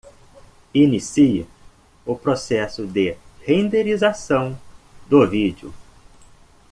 Inicie o processo de rendenização do vídeo.